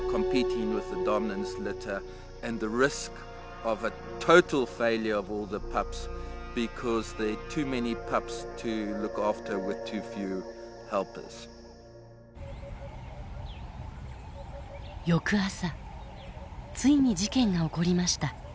翌朝ついに事件が起こりました。